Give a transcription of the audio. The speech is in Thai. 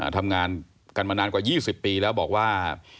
ทำงานกันมานานกว่า๒๐ปีแล้วบอกว่า